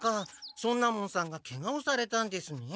尊奈門さんがケガをされたんですね。